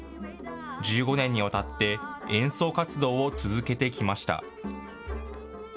１５年にわたって演奏活動を続けてきました。